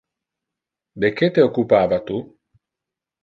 De que te occupava tu?